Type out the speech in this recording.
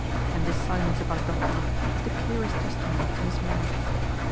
And this silence about Dokhtúrov is the clearest testimony to his merit.